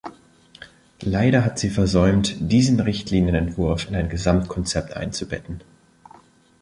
Leider hat sie versäumt, diesen Richtlinienentwurf in ein Gesamtkonzept einzubetten.